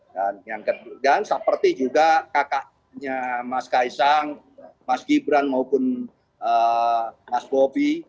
dan seperti juga kakaknya mas kaisang mas gibran maupun mas bobby